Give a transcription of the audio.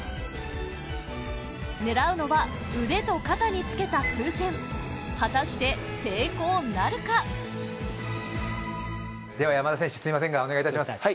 狙うのは腕と肩につけた風船果たして成功なるかでは山田選手すいませんがお願いいたします